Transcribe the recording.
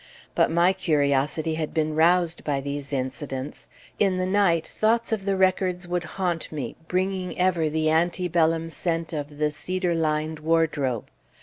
But my curiosity had been roused by these incidents; in the night, thoughts of the records would haunt me, bringing ever the ante bellum scent of the cedar lined wardrobe.